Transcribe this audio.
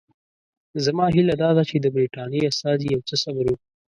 زما هیله دا ده چې د برټانیې استازي یو څه صبر وکړي.